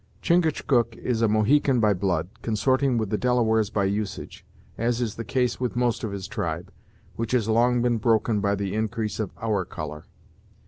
Chingachgook is a Mohican by blood, consorting with the Delawares by usage, as is the case with most of his tribe, which has long been broken up by the increase of our color.